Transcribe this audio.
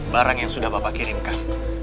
barang yang sudah bapak kirimkan